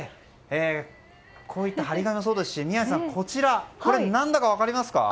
こういった貼り紙もそうですし宮司さんこれ、何だか分かりますか？